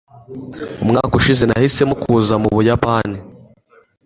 umwaka ushize, nahisemo kuza mu buyapani